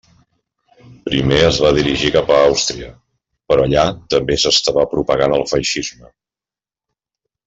Primer es va dirigir cap a Àustria, però allà també s'estava propagant el feixisme.